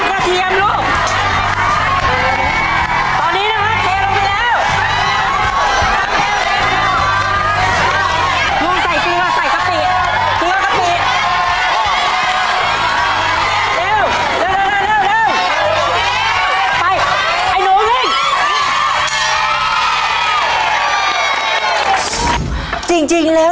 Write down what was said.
เทียมลูกตอนนี้นะฮะเทลงไปแล้ว